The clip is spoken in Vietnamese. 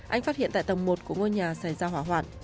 anh phát hiện tại tầng một của ngôi nhà xảy ra hỏa hoạn